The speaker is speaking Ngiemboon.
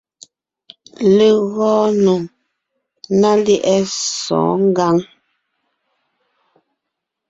Legɔɔn nò ná lyɛ̌ʼɛ sɔ̌ɔn ngǎŋ.